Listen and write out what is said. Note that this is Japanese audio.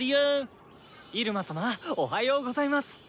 入間様おはようございます！